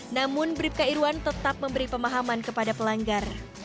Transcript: namun bribka irwan tetap memberi pemahaman kepada pelanggar